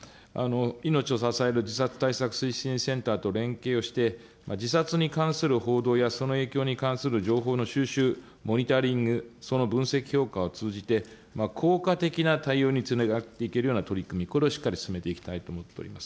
命を支える自殺対策推進センターと連携をして、自殺に関する報道やその影響に関する情報の収集、モニタリング、その分析評価を通じて、効果的な対応につなげていけるような取り組み、これをしっかり進めていきたいと思っております。